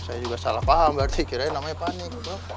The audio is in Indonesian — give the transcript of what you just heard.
saya juga salah paham berarti kiranya namanya panik